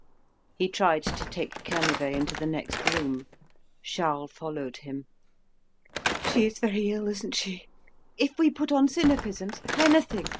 He tried to take Canivet into the next room. Charles followed him. "She is very ill, isn't she? If we put on sinapisms? Anything!